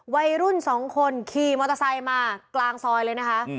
วัยรุ่นสองคนขี่มอเตอร์ไซค์มากลางซอยเลยนะคะ